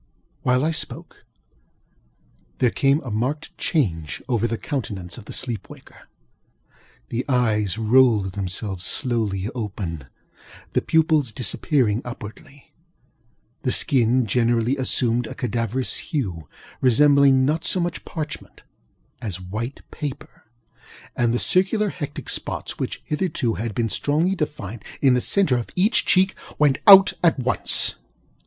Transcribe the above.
While I spoke, there came a marked change over the countenance of the sleep waker. The eyes rolled themselves slowly open, the pupils disappearing upwardly; the skin generally assumed a cadaverous hue, resembling not so much parchment as white paper; and the circular hectic spots which, hitherto, had been strongly defined in the centre of each cheek, went out at once.